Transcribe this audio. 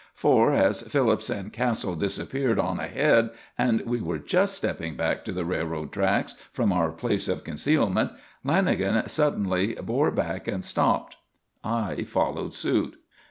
For, as Phillips and Castle disappeared on ahead and we were just stepping back to the railroad tracks from our place of concealment, Lanagan suddenly bore back and dropped. I followed suit.